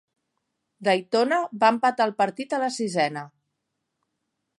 Daytona va empatar el partit a la sisena.